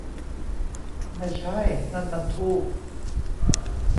ไม่ใช่ ! นั่นมันธูป !